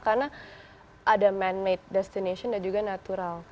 karena ada man made destination dan juga natural